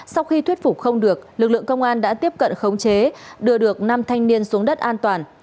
sau khi thuyết phục không được lực lượng công an đã tiếp cận khống chế đưa được năm thanh niên xuống đất an toàn